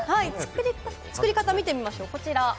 作り方、見てみましょう、こちら。